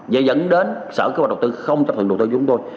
và dẫn đến sở cơ bản đầu tư không chấp thuận đầu tư cho chúng tôi